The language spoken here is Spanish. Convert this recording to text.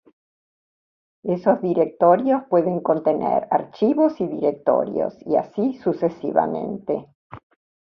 Esos directorios pueden contener archivos y directorios y así sucesivamente.